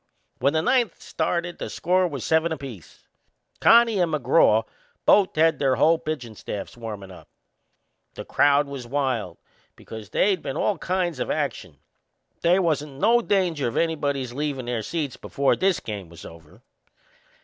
When the ninth started the score was seven apiece. Connie and McGraw both had their whole pitchin' staffs warmin' up. The crowd was wild, because they'd been all kinds of action. They wasn't no danger of anybody's leavin' their seats before this game was over.